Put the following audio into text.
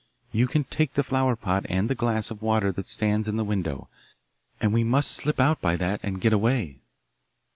You can take the flower pot and the glass of water that stands in the window, and we must slip out by that and get away.